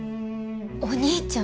お兄ちゃん！？